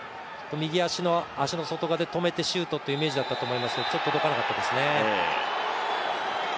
右足の足の外側で止めてシュートっていうイメージだったと思いますけどちょっと届かなかったですよね。